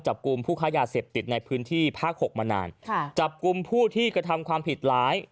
จับกลุ่มผู้ค้ายาเสพติดในพื้นที่ภาคหกมานานค่ะจับกลุ่มผู้ที่กระทำความผิดหลาย